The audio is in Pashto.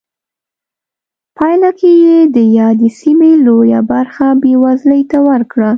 پایله کې یې د یادې سیمې لویه برخه بېوزلۍ ته ورکړه.